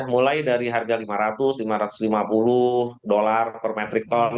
mulai dari harga rp lima ratus lima ratus lima puluh per metric ton